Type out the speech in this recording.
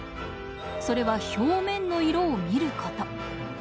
それは表面の色を見ること。